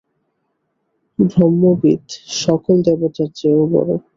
ব্রহ্মবিৎ সকল দেবতার চেয়েও বড়।